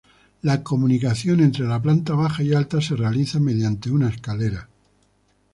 La comunicación entre las planta baja y alta se realiza mediante una escalera.